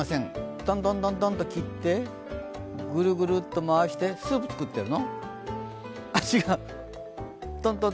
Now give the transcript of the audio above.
とんとんとんと切って、ぐるぐるっと回してスープ作ってんの？